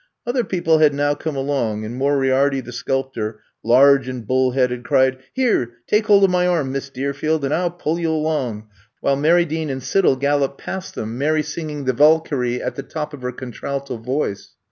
Other people had now come along, and Moriarity, the sculptor, large and bull headed, cried, Here, take hold of my arm, Miss Deerfield, and I *11 pull you along, *^ while Mary Dean and Siddell galloped past 30 I'VE COME TO STAY them, Mary singing '* The Valkyrie '' at the top of her contralto voice.